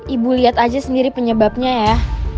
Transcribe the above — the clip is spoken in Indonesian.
ibu lihat aja sendiri penyebabnya ya